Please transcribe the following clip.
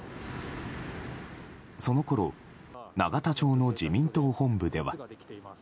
そのころ永田町の自民党本部では。